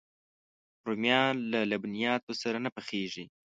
رومیان له لبنیاتو سره نه پخېږي